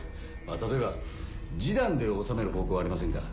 例えば示談で収める方向はありませんか？